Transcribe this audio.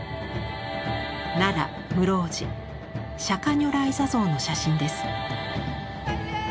奈良・室生寺釈如来坐像の写真です。